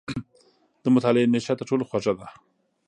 • د مطالعې نیشه تر ټولو خوږه ده.